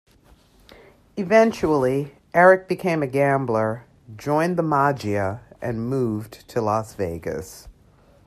Eventually Eric became a gambler, joined the Maggia and moved to Las Vegas.